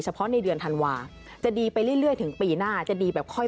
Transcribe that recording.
เพาะในเดือนธันวาจะดีไปเรื่อยถึงปีหน้าจะดีแบบค่อย